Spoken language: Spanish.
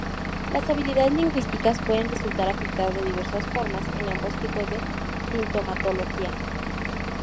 Las habilidades lingüísticas pueden resultar afectadas de diversas formas en ambos tipos de sintomatología.